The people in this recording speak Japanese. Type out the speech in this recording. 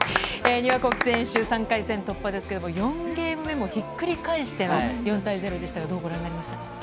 丹羽孝希選手、３回戦突破ですけれども、４ゲーム目もひっくり返しての４対０でしたが、どうご覧になりましたか。